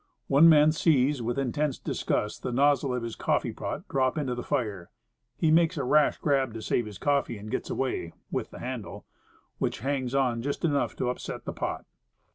One man sees, with intense disgust, the nozzle of his coffee pot drop into the fire. He makes a rash grab to save his coffee, and gets away with the handle, which hangs on just enough to upset the pot.